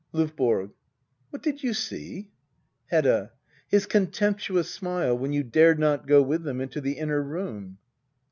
LdVBORO. What did you see ? Hedda. His contemptuous smile, when you dared not go with them into the inner room.